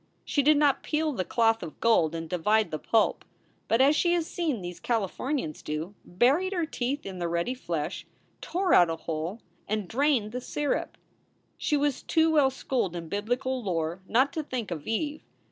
She did not peel the cloth of gold and divide the pulp, but, as she had seen these Calif ornians do, buried her teeth in the ruddy flesh, tore out a hole, and drained the syrup. She was too well schooled in biblical lore not to think of Eve.